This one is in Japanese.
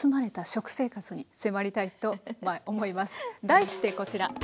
題してこちら。